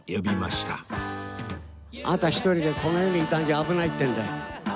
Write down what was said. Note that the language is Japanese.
あなた一人がこの世にいたんじゃ危ないっていうので。